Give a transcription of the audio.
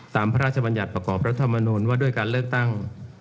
พระราชบัญญัติประกอบรัฐมนุนว่าด้วยการเลือกตั้ง